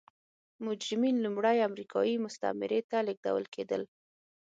مجرمین لومړی امریکايي مستعمرې ته لېږدول کېدل.